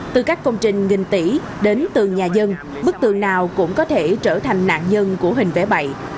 từ các công trình nghìn tỷ đến từng nhà dân bức tường nào cũng có thể trở thành nạn nhân của hình vẽ bậy